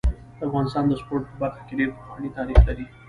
د افغانستان د سپورټ په برخه کي ډير پخوانی تاریخ لري.